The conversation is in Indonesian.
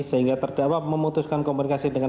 sehingga terdakwa memutuskan komunikasi dengan